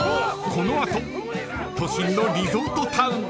［この後都心のリゾートタウン